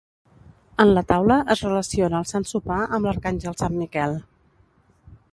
En la taula es relaciona el Sant Sopar amb l'arcàngel sant Miquel.